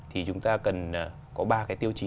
thì chúng ta cần có ba cái tiêu chí